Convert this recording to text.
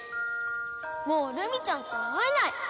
もうルミちゃんとは会えない。